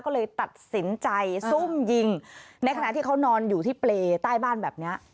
ก็เลยตัดสินใจซุ่มยิงในขณะที่เขานอนอยู่ที่เปรย์ใต้บ้านแบบนี้